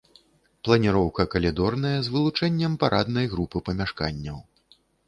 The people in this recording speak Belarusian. Планіроўка калідорная з вылучэннем параднай групы памяшканняў.